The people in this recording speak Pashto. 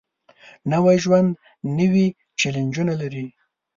نوی ژوند نوې چیلنجونه لري